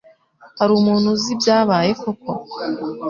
Hari umuntu uzi ibyabaye koko?